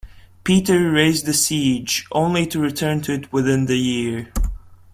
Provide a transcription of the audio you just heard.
Peter raised the siege, only to return to it within the year.